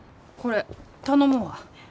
これ頼むわ。